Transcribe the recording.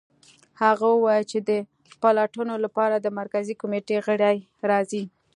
هغه وویل چې د پلټنو لپاره د مرکزي کمېټې غړي راځي